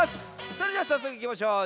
それではさっそくいきましょう！